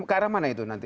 ke arah mana itu nanti